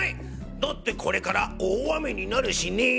だってこれから大雨になるしね。